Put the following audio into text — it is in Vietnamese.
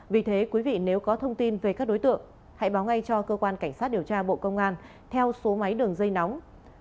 vì thế quý vị nếu có thông tin về các đối tượng hãy báo ngay cho cơ quan cảnh sát điều tra bộ công an theo số máy đường dây nóng sáu mươi chín hai trăm ba mươi bốn năm nghìn tám trăm sáu mươi